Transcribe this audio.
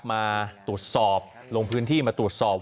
มาตรวจสอบลงพื้นที่มาตรวจสอบ